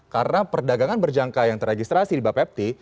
karena perdagangan berjangka yang teregistrasi di bapepti